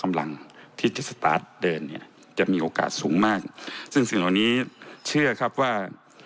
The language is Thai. กำลังที่จะสตาร์ทเดินเนี่ยจะมีโอกาสสูงมากซึ่งสิ่งเหล่านี้เชื่อครับว่า